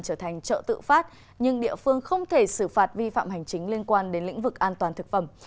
trở thành chợ tự phát nhưng địa phương không thể xử phạt vi phạm hành chính liên quan đến lĩnh vực an toàn thực phẩm